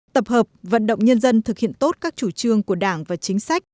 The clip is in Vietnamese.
tập hợp vận động nhân dân thực hiện tốt các chủ trương của đảng và chính sách